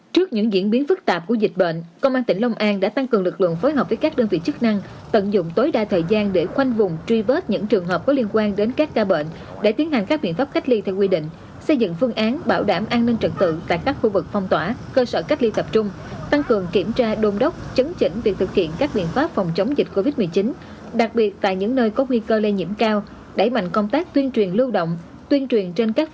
trước những diễn biến phức tạp của dịch bệnh công an tỉnh long an đã tăng cường lực lượng phối hợp với các đơn vị chức năng tận dụng tối đa thời gian để khoanh vùng truy vớt những trường hợp có liên quan đến các ca bệnh để tiến hành các biện pháp cách ly theo quy định xây dựng phương án bảo đảm an ninh trật tự tại các khu vực phong tỏa cơ sở cách ly tập trung tăng cường kiểm tra đồn đốc chấn chỉnh việc thực hiện các biện pháp phòng chống dịch covid một mươi chín đặc biệt tại những nơi có nguy cơ lây nhiễm cao đẩy mạnh công tác tuyên truyền